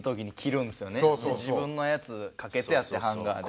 自分のやつ掛けてあってハンガーで。